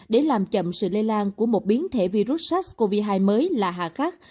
để làm chậm sự lây lan của một biến thể virus sars cov hai mới là hạ khắc